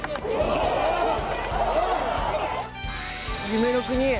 夢の国へ。